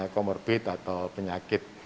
komorbid atau penyakit